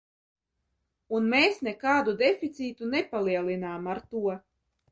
Un mēs nekādu deficītu nepalielinām ar to!